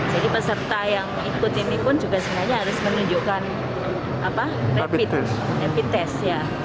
jadi peserta yang ikut ini pun juga sebenarnya harus menunjukkan rapid test